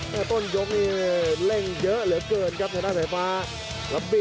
แล้วดอกนี้ครับแท่งขวาใต่เข้ามาเต็มแทงครับ